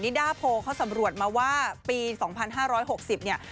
นิดาโพลเค้าสำรวจมาว่าปีสองพันห้าร้อยหกสิบเนี้ย